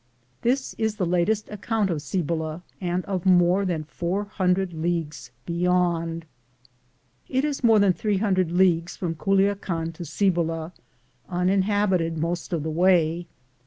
This is thb Latest Account op Cibola, and of moee than foob hundred Leagues Beyond. 1 It is more than 300 leagues from Culia can to Cibola, uninhabited most of the way.